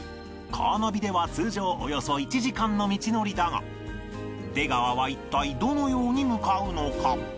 カーナビでは通常およそ１時間の道のりだが出川は一体どのように向かうのか？